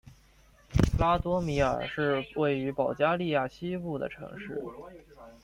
拉多米尔是位于保加利亚西部的城市。